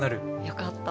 よかった。